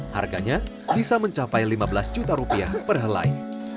harganya bisa mencapai lima belas juta rupiah per helai